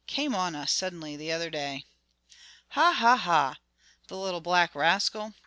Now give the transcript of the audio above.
Came on us suddenly the other day." "Ha, ha, ha! the little black rascal.